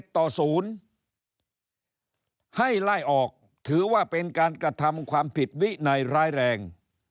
ต่อ๐ให้ไล่ออกถือว่าเป็นการกระทำความผิดวินัยร้ายแรง